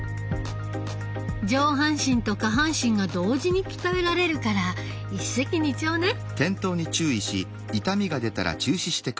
上半身と下半身が同時に鍛えられるから一石二鳥ね。